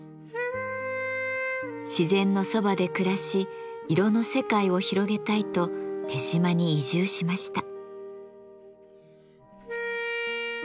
自然のそばで暮らし色の世界を広げたいと豊島に移住しました。